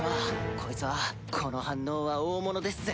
こいつはこの反応は大物ですぜ。